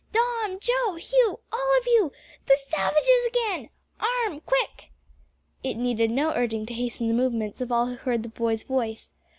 Dom, Joe, Hugh all of you the savages again! Arm quick!" It needed no urging to hasten the movements of all who heard the boy's voice.